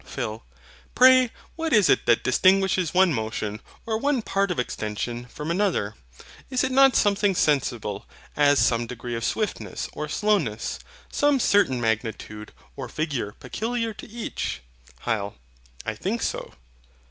PHIL. Pray what is it that distinguishes one motion, or one part of extension, from another? Is it not something sensible, as some degree of swiftness or slowness, some certain magnitude or figure peculiar to each? HYL. I think so.